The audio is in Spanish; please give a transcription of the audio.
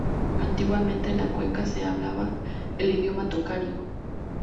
Antiguamente en la cuenca se hablaba el idioma tocario.